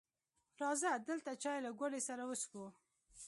راځه دلته چای له ګوړې سره وڅښو